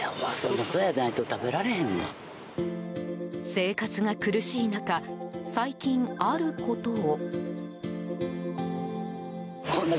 生活が苦しい中最近あることを。